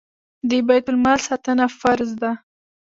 د بیت المال ساتنه فرض ده